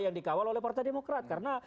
yang dikawal oleh partai demokrat karena